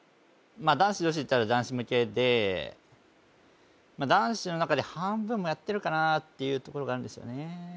男子女子っていったら男子向けで男子の中で半分もやってるかなっていうところがあるんですよね